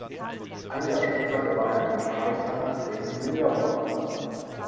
Ein Jahr später gewann er mit Khalsa den Singapore Cup.